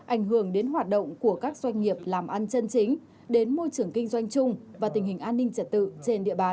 ảnh hưởng đến hoạt động của các doanh nghiệp làm ăn chân chính đến môi trường kinh doanh chung và tình hình an ninh trật tự trên địa bàn